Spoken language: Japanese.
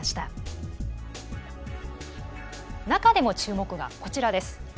中でも注目がこちらです。